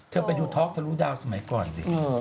เธอไปดูท็อคถ้ารู้ดาวน์สมัยก่อนสิ